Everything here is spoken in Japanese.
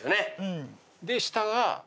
で下が？